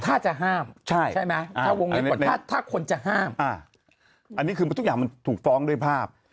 ถ้าจะห้ามใช่ใช่ไหมอ่าถ้าถ้าคนจะห้ามอ่าอันนี้คือมันทุกอย่างมันถูกฟ้องด้วยภาพ